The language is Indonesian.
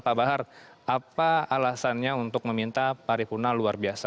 pak bahar apa alasannya untuk meminta paripurna luar biasa